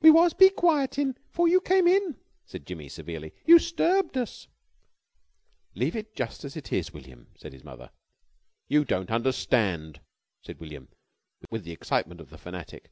"We was be quietin' 'fore you came in," said Jimmy, severely. "You 'sturbed us." "Leave it just as it is, William," said his mother. "You don't unnerstand," said William with the excitement of the fanatic.